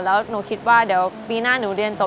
แล้วหนูคิดว่าเดี๋ยวปีหน้าหนูเรียนจบ